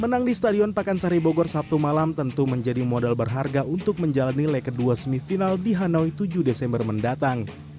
menang di stadion pakansari bogor sabtu malam tentu menjadi modal berharga untuk menjalani leg kedua semifinal di hanoi tujuh desember mendatang